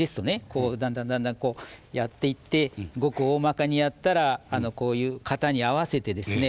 こうだんだんだんだんやっていってごくおおまかにやったらこういう型に合わせてですね